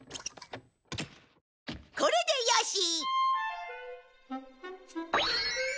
これでよし！